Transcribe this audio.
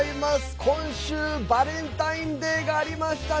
今週、バレンタインデーがありましたね。